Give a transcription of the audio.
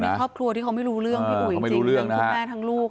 สถานคนอีกครอบครัวที่เขาไม่รู้เรื่องพี่อุ๋ยจริงจริงเห็นคุณแม่ทั้งลูก